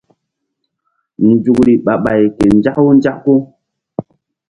Nzukri ɓah ɓay ke nzaku nzaku.